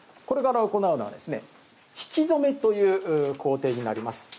これから行うのは引染という工程になります。